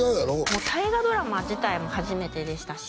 もう大河ドラマ自体も初めてでしたし